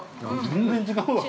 全然違うわ。